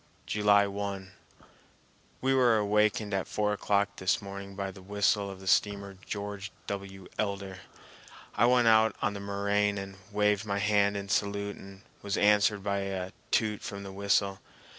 July 1. We were awakened at four o'clock this morning by the whistle of the steamer George W. Elder. I went out on the moraine and waved my hand in salute and was answered by a toot from the whistle.